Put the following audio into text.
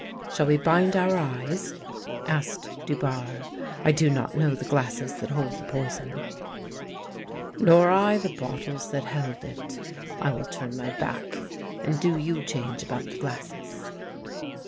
" Shall we bind our eyes ?" asked Dubarre. " I do not know the glasses that hold the poison." " Nor I the bottles that held it. I will turn my back, and do you change about the glasses."